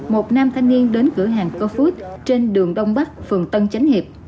một nam thanh niên đến cửa hàng cổ food trên đường đông bắc phường tân chánh hiệp